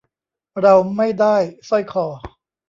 เราไม่ได้สร้อยคอ